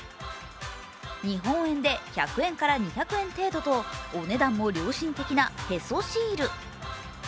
日本円で１００円から２００円程度とお値段も良心的なへそシール。